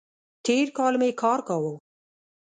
تېر کال می کار کاوو